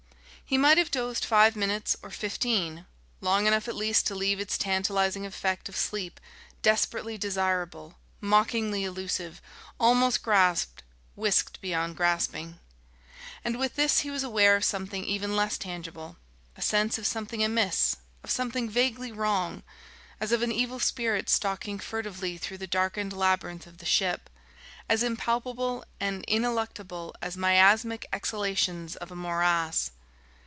He might have dozed five minutes or fifteen long enough at least to leave its tantalising effect of sleep desperately desirable, mockingly elusive, almost grasped, whisked beyond grasping. And with this he was aware of something even less tangible, a sense of something amiss, of something vaguely wrong, as of an evil spirit stalking furtively through the darkened labyrinth of the ship ... as impalpable and ineluctable as miasmic exhalations of a morass....